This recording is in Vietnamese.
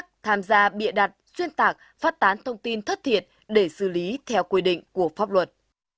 các tham gia bịa đặt xuyên tạc phát tán thông tin thất thiệt để xử lý theo quy định của pháp luật